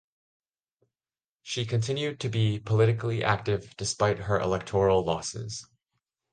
She continued to be politically active despite her electoral losses.